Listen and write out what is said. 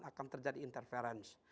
akan terjadi interference